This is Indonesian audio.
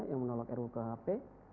yang menolak rukhp